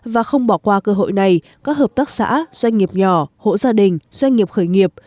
và không bỏ qua cơ hội này các hợp tác xã doanh nghiệp nhỏ hộ gia đình doanh nghiệp khởi nghiệp